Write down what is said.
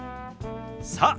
さあ